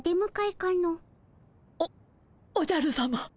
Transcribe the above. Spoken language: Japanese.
おおじゃるさま。